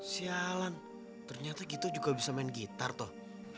sialan ternyata gito juga bisa main gitar tuh